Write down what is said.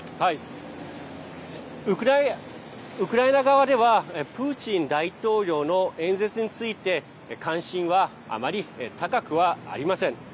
ウクライナ側ではプーチン大統領の演説について関心はあまり高くはありません。